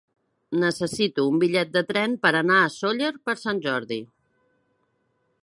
Necessito un bitllet de tren per anar a Sóller per Sant Jordi.